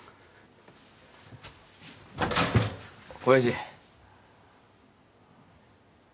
親父。